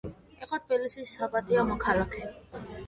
იყო თბილისის საპატიო მოქალაქე.